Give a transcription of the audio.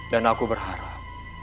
dan aku berharap